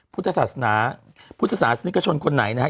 พุทธศาสตราพุทธศาสนิกชนคนไหนนะฮะ